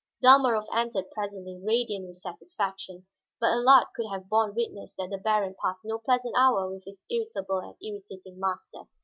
Dalmorov entered presently, radiant with satisfaction, but Allard could have borne witness that the baron passed no pleasant hour with his irritable and irritating master.